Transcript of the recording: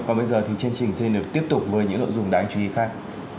còn bây giờ thì chương trình xin được tiếp tục với những nội dung đáng chú ý khác